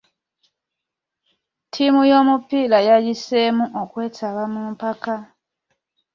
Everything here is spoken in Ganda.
Ttiimu y'omupiira yayiseemu okwetaba mu mpaka.